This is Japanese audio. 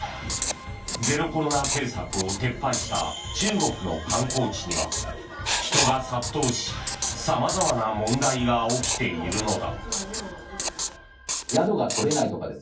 ゼロコロナ政策を撤廃した中国の観光地には人が殺到し様々な問題が起きているのだ。